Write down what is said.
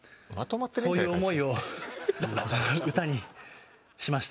そういう思いを歌にしました。